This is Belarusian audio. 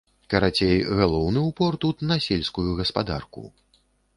Карацей, галоўны упор тут на сельскую гаспадарку.